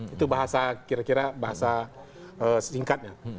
itu bahasa kira kira bahasa setingkatnya